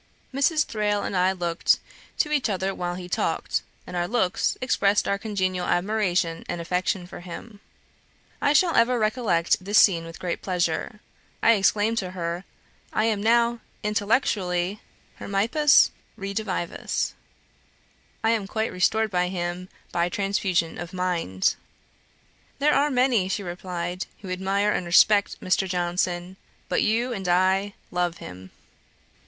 Mrs. Thrale and I looked to each other while he talked, and our looks expressed our congenial admiration and affection for him. I shall ever recollect this scene with great pleasure. I exclaimed to her, 'I am now, intellectually, Hermippus redivivus, I am quite restored by him, by transfusion of mind!' 'There are many (she replied) who admire and respect Mr. Johnson; but you and I love him.'